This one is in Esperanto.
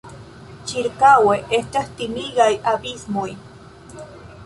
Ĉirkaŭe estas timigaj abismoj.